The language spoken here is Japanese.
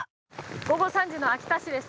午後３時の秋田市です。